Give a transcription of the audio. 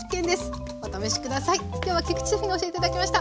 今日は菊地シェフに教えて頂きました。